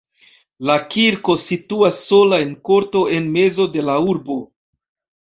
La kirko situas sola en korto en mezo de la urbo.